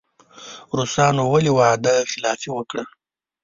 روسانو ولې وعده خلافي وکړه.